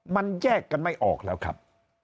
มันแยกกันไม่ออกแล้วครับ